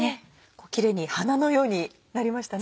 キレイに花のようになりましたね。